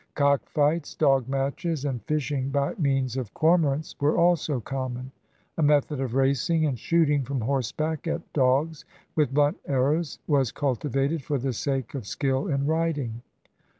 Cockfights, dog matches, and fishing by means of cor morants were also common. A method of racing and shooting from horseback at dogs, with blunt arrows, was cultivated for the sake of skill in riding.